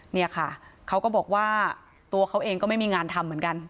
เนี่ยค่ะเขาก็บอกว่าตัวเขาเองก็ไม่มีงานทำเหมือนกัน